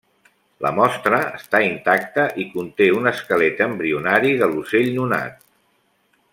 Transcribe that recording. La mostra està intacta i conté un esquelet embrionari de l'ocell nonat.